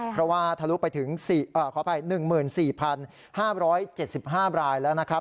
เพราะว่าทะลุไปถึงขออภัย๑๔๕๗๕รายแล้วนะครับ